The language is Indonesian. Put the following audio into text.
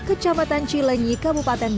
kecamatan cilenyi kabupaten bandar